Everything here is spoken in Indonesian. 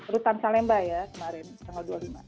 rutan salemba ya kemarin tanggal dua puluh lima